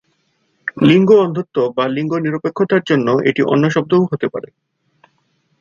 লিঙ্গ-অন্ধত্ব বা লিঙ্গ নিরপেক্ষতার জন্য এটি অন্য শব্দও হতে পারে।